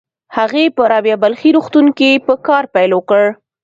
هغې په رابعه بلخي روغتون کې په کار پيل وکړ.